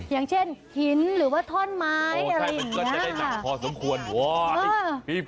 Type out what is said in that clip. อย่างเช่นหินหรือว่าถ้อนไม้อะไรอย่างนี้